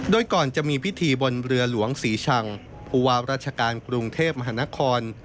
โดยก่อนจะมีพิธีบนเรือหลวงศรีชังผู้ว่าราชการกรุงเทพมหานคร